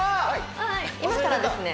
「今からですね